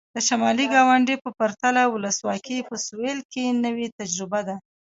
د شمالي ګاونډي په پرتله ولسواکي په سوېل کې نوې تجربه ده.